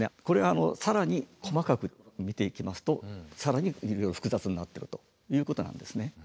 これは更に細かく見ていきますと更に揺れが複雑になってるということなんですね。